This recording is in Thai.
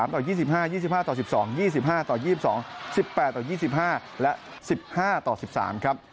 ต่อ๒๕๒๕ต่อ๑๒๒๕ต่อ๒๒๑๘ต่อ๒๕และ๑๕ต่อ๑๓ครับ